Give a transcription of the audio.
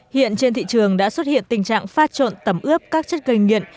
hiện trên thị trường đã xuất hiện tình trạng phát trộn tẩm ướp các chất gây nghiện